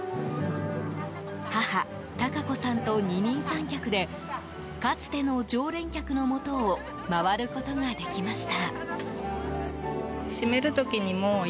母・高子さんと二人三脚でかつての常連客のもとを回ることができました。